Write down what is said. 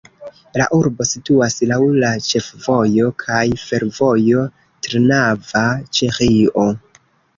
La urbo situas laŭ la ĉefvojo kaj fervojo Trnava-Ĉeĥio.